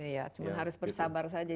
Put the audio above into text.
iya cuma harus bersabar saja